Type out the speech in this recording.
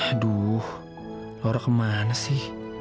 aduh laura kemana sih